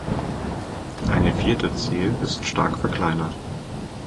Eine vierte Zehe ist stark verkleinert.